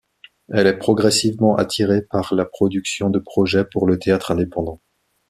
Elle est progressivement attirée par la production de projets pour le théâtre indépendant.